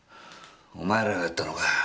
お前らがやったのか。